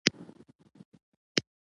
نورستان د افغانستان یوه طبیعي ځانګړتیا ده.